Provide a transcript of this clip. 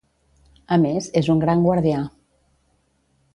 A més, és un gran guardià.